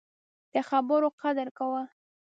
د خبرو قدر کوه